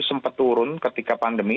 sempat turun ketika pandemi